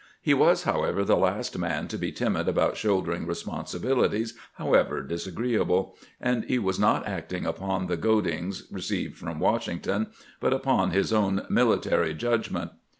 He was, however, the last man to be timid about shouldering responsibilities, however disagreeable, and he was not acting upon the goadings received from "Washington, but upon his own military judgment.